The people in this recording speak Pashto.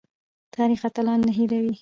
تاریخ اتلان نه هیروي